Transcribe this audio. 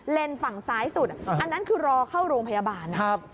ฝั่งซ้ายสุดอันนั้นคือรอเข้าโรงพยาบาล